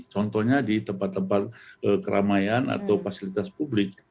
contohnya di tempat tempat keramaian atau fasilitas publik